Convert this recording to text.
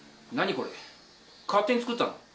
これ勝手に作ったの？